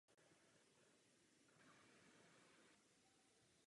Město se pak stalo útočištěm pro různé odpůrce nového režimu.